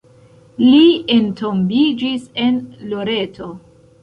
Li entombiĝis en Loreto.